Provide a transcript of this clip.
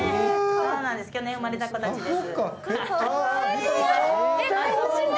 去年、生まれた子たちです。